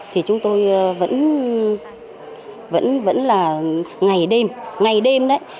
thì chúng tôi vẫn là ngày đêm ngày đêm đấy